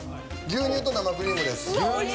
牛乳と生クリーム。